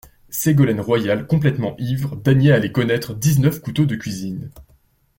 Ségolène Royal complètement ivre daignait aller connaître dix-neuf couteaux de cuisine.